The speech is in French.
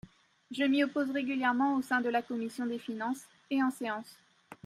Je m’y oppose régulièrement au sein de la commission des finances et en séance.